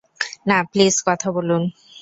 না, প্লিজ কথা বলুন।